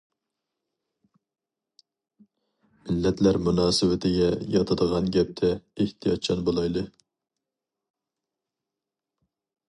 مىللەتلەر مۇناسىۋىتىگە ياتىدىغان گەپتە ئېھتىياتچان بولايلى.